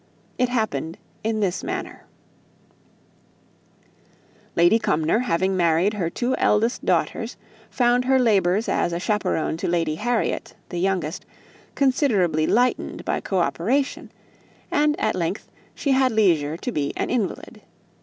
It happened in this manner: Lady Cumnor having married her two eldest daughters, found her labours as a chaperone to Lady Harriet, the youngest, considerably lightened by co operation; and, at length, she had leisure to be an invalid.